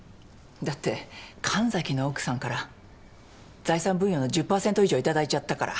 だって神崎の奥さんから財産分与の１０％以上頂いちゃったから。